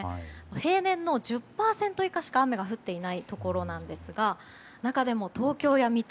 平年の１０％以下しか雨が降っていないところなんですが中でも東京や水戸